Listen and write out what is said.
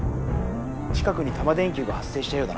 近くにタマ電Ｑが発生したようだな。